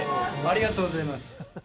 ありがとうございます。